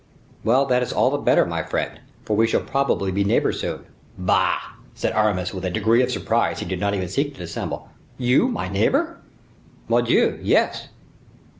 "Well, that is all the better, my friend, for we shall probably be neighbors soon." "Bah!" said Aramis with a degree of surprise he did not even seek to dissemble. "You my neighbor!" "Mordioux! yes."